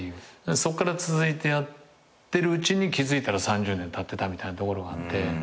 そっから続いてやってるうちに気付いたら３０年たってたみたいなところがあって。